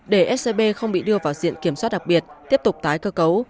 để scb không bị đưa vào diện kiểm soát đặc biệt tiếp tục tái cơ cấu